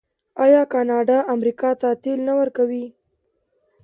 آیا کاناډا امریکا ته تیل نه ورکوي؟